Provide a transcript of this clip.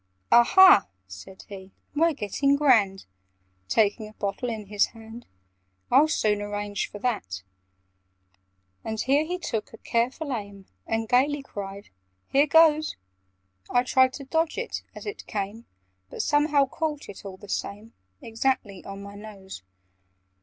"Aha," said he, "we're getting grand!" (Taking a bottle in his hand) "I'll soon arrange for that!" And here he took a careful aim, And gaily cried "Here goes!" I tried to dodge it as it came, But somehow caught it, all the same, Exactly on my nose.